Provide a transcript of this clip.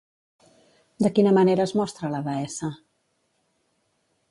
De quina manera es mostra la deessa?